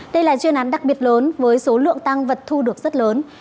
đây là chuyên án đặc biệt lớn với số lượng tăng vật thu được rất lớn